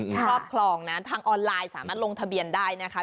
ครอบครองนะทางออนไลน์สามารถลงทะเบียนได้นะคะ